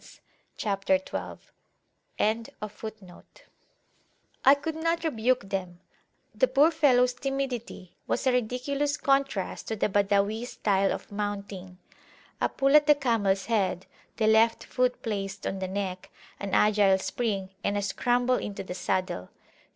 [FN#3] I could not rebuke them; the poor fellows timidity was a ridiculous contrast to the Badawis style of mounting; a pull at the camels head, the left foot placed on the neck, an agile spring, and a scramble into the saddle.